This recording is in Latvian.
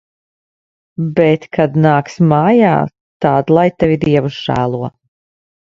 Bet kad nāks mājā, tad lai tevi Dievs žēlo.